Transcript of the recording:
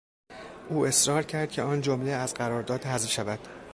او اصرار کرد که آن جمله از قرارداد حذف شود.